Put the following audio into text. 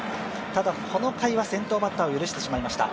この回は先頭バッターを許してしまいました。